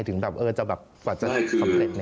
ถึงแบบจะสำเร็จในครั้งนี้